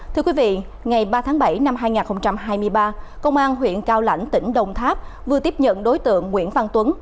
thưa quý vị ngày ba tháng bảy năm hai nghìn hai mươi ba công an huyện cao lãnh tỉnh đồng tháp vừa tiếp nhận đối tượng nguyễn văn tuấn